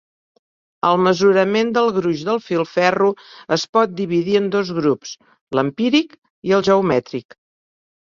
El mesurament del gruix del filferro es pot dividir en dos grups, l'empíric i el geomètric.